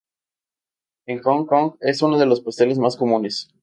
En Hong Kong es uno de los pasteles más comunes.